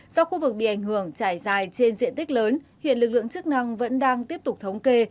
do khu vực bị ảnh hưởng trải dài trên diện tích lớn hiện lực lượng chức năng vẫn đang tiếp tục thống kê